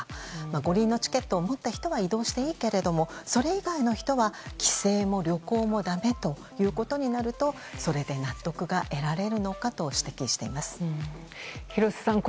五輪のチケットを持った人は移動していいけれどもそれ以外の人は帰省も旅行もだめということになるとそれで納得が得られるのかと廣瀬さん